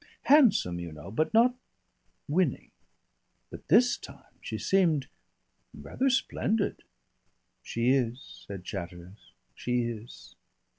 Handsome, you know, but not winning. But this time, she seemed ... rather splendid." "She is," said Chatteris, "she is."